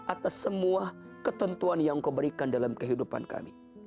atas semua ketentuan yang kau berikan dalam kehidupan kami